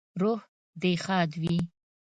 روح دې ښاد وي